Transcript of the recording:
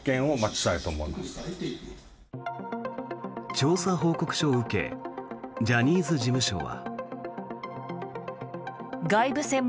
調査報告書を受けジャニーズ事務所は。